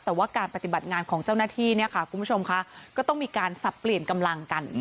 แต่ว่าการปฏิบัติงานของเจ้าหน้าที่เนี่ยค่ะคุณผู้ชมค่ะก็ต้องมีการสับเปลี่ยนกำลังกัน